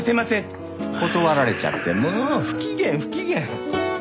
って断られちゃってもう不機嫌不機嫌。